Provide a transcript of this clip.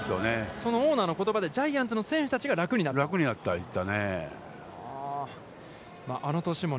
そのオーナーの言葉でジャイアンツの選手たちが楽になった。